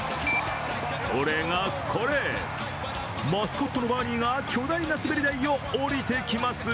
それがこれ、マスコットのバーニーが巨大な滑り台を降りてきます。